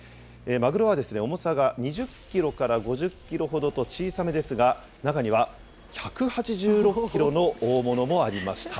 マグロは重さが２０キロから５０キロほどと小さめですが、中には１８６キロの大物もありました。